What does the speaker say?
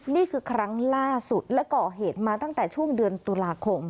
นี่คือครั้งล่าสุดและก่อเหตุมาตั้งแต่ช่วงเดือนตุลาคม